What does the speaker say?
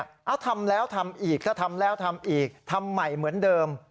เอาทำแล้วทำอีกถ้าทำแล้วทำอีกทำใหม่เหมือนเดิม